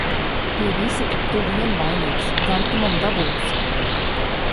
Pie visa tik tu vien vainīgs! Gan tu man dabūsi!